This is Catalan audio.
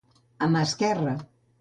A mà esquerra.